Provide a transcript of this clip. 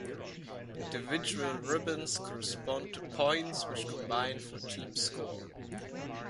Individual ribbons correspond to points, which combine for a team score.